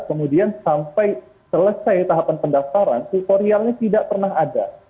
kemudian sampai selesai tahapan pendaftaran tutorialnya tidak pernah ada